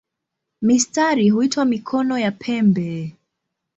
Mistari huitwa "mikono" ya pembe.